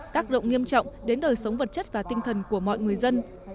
tác động nghiêm trọng đến đời sống vật chất và tinh thần của mọi người dân